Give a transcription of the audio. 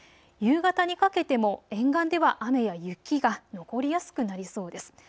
夕方にかけても沿岸では雨や雪が降りやすくなりそうです。